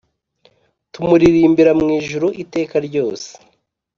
tumuririmbira mu ijuru iteka ryose.